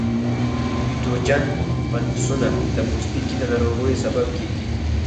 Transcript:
پتوجن فنګسونه د پوستکي د ناروغیو سبب کیږي.